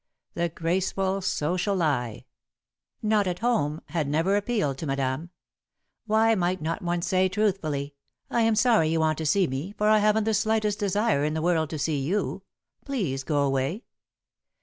The graceful social lie, "Not at home," had never appealed to Madame. Why might not one say, truthfully: "I am sorry you want to see me, for I haven't the slightest desire in the world to see you. Please go away."